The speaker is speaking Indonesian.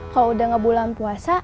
kalo udah gak bulan puasa